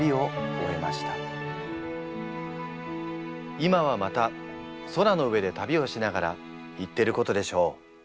今はまた空の上で旅をしながら言ってることでしょう。